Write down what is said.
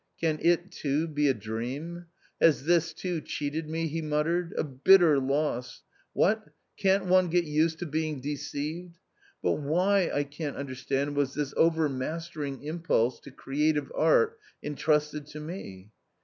" Can it, too, be a dream ? has this, too, cheated me ?" he muttered. " A bitter loss I What, can't one get used to being deceived ! But why, I can't understand, was this over mastering impulse to creative art entrusted to me